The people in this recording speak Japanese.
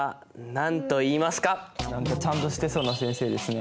何かちゃんとしてそうな先生ですね。